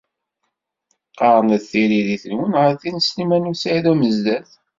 Qarnet tiririt-nwen ɣer tin n Sliman u Saɛid Amezdat.